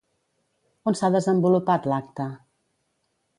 On s'ha desenvolupat l'acte?